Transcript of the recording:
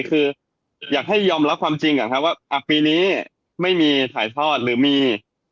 คืออยากให้ยอมรับความจริงว่าปีนี้ไม่มีถ่ายทอดหรือมี